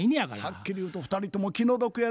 はっきり言うと２人とも気の毒やで。